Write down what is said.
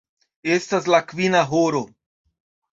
Estas la kvina horo.